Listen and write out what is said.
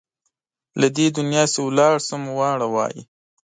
له دې دنیا چې لاړ شم واړه وایي.